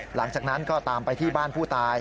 หลังจากนั้นก็ตามไปที่บ้านผู้ตาย